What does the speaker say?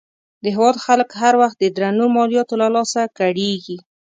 د هېواد خلک هر وخت د درنو مالیاتو له لاسه کړېږي.